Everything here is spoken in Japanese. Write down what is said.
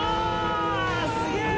すげえ！